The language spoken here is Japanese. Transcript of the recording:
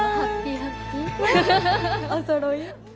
おそろい。